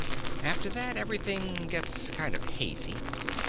After that everything gets kind of hazy.